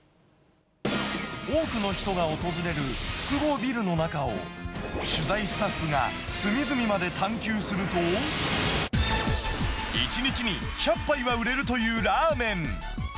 多くの人が訪れる複合ビルの中を、取材スタッフが、隅々まで探求すると、１日に１００杯は売れるというラーメン。